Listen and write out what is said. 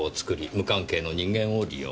無関係の人間を利用する。